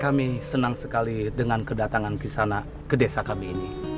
kami senang sekali dengan kedatangan ke desa kami ini